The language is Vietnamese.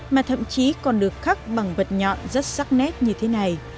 mà thậm chí còn được khắc bằng vật nhọn rất sắc nét như thế này